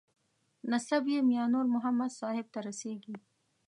نسب یې میانور محمد صاحب ته رسېږي.